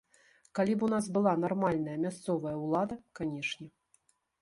Калі б у нас была нармальная мясцовая ўлада, канешне.